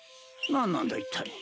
何なんだいったい。